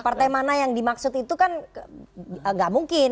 ke partai mana yang dimaksud itu kan gak mungkin